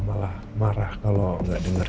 malah marah kalo gak denger